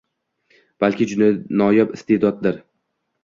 Balki, juda noyob iste’dodidir.